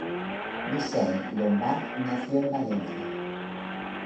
Vicent Llombart nació en Valencia.